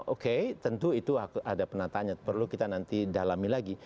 oke tentu itu ada penataannya perlu kita nanti dalami lagi